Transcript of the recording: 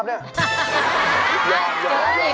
ก็เพียงคุณจูโน๊ห์ยืนหัวเราะเลยน่ะ